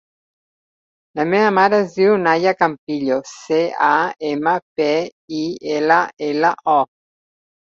La meva mare es diu Naia Campillo: ce, a, ema, pe, i, ela, ela, o.